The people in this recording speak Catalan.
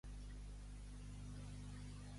Aquesta pel·lícula incita a guerrejar?